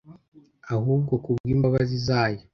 ahubwo ku bw’imbabazi zayo